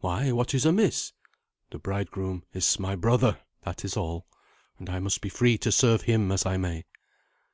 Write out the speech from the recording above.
"Why, what is amiss?" "The bridegroom is my brother that is all; and I must be free to serve him as I may."